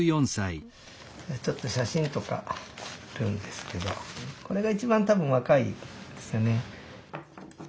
ちょっと写真とかあるんですけどこれが一番多分若いですね。